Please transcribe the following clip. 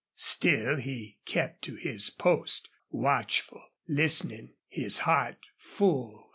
Still he kept to his post, watchful, listening, his heart full.